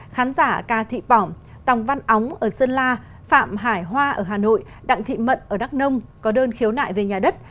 khán giả ca thị bỏng tòng văn óng ở sơn la phạm hải hoa ở hà nội đặng thị mận ở đắk nông có đơn khiếu nại về nhà đất